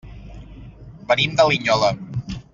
Venim de Linyola.